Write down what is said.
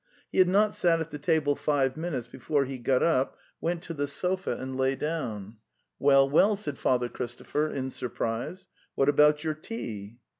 He had not sat at the table five minutes before he got up, went to the sofa and lay down. 'Well, well,' said Father Christopher in surprise. 'What about your tea?"